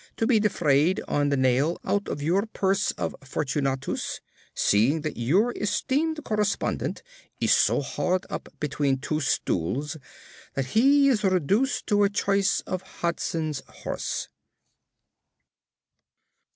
to be defrayed on the nail out of your purse of Fortunatus, seeing that your esteemed correspondent is so hard up between two stools that he is reduced to a choice of Hodson's Horse!